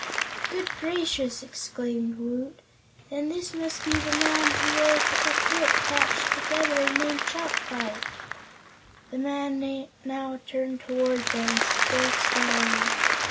"Good gracious!" exclaimed Woot. "Then this must be the man whom old Ku Klip patched together and named Chopfyt." The man now turned toward them, still scowling.